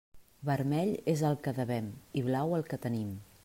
Vermell el que devem i blau el que tenim.